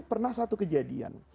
pernah satu kejadian